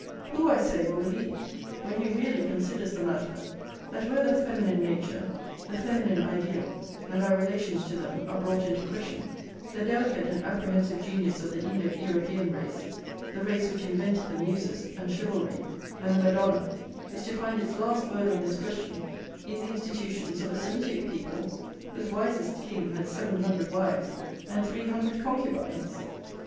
Who, I say, will believe, when he really considers the matter, that where the feminine nature, the feminine ideal, and our relations to them, are brought into question, the delicate and apprehensive genius of the Indo European race, the race which invented the Muses, and chivalry, and the Madonna, is to find its last word on this question in the institutions of a Semitic people, whose wisest king had seven hundred wives and three hundred concubines?